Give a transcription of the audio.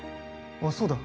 あっそうだ。